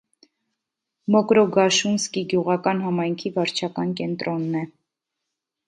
Մոկրոգաշունսկի գյուղական համայնքի վարչական կենտրոնն է։